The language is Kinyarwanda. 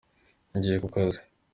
Ngiye kukazi.